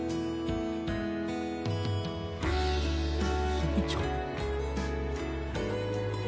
墨ちゃん。